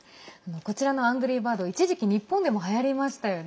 こちらの「アングリーバード」一時期日本でもはやりましたよね。